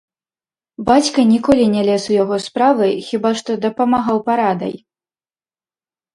Бацька ніколі не лез у яго справы, хіба што дапамагаў парадай.